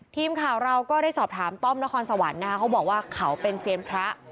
ทีมข่าวเราก็ได้สอบถามต้อมนครสวรรค์นะคะเขาบอกว่าเขาเป็นเซียนพระ